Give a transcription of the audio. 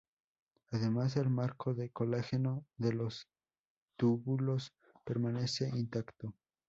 Además, el marco de colágeno de los túbulos permanece intacto.